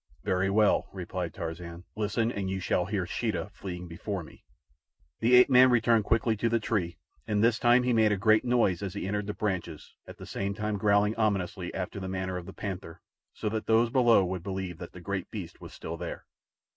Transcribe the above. "Very well," replied Tarzan. "Listen, and you shall hear Sheeta fleeing before me." The ape man returned quickly to the tree, and this time he made a great noise as he entered the branches, at the same time growling ominously after the manner of the panther, so that those below would believe that the great beast was still there.